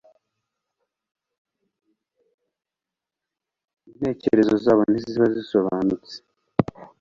Intekerezo zabo ntiziba zisobanutse